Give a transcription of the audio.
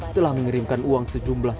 telah mengirimkan uang sejumlah